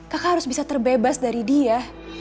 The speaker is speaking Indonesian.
kakak harus bisa terbebas dari dia